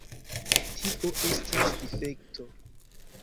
Tio estas difekto.